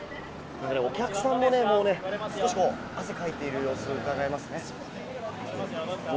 お客さんもね、もうね、少し汗をかいている様子がうかがえますね。